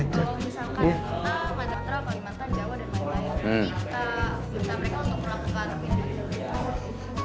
kita minta mereka untuk melakukan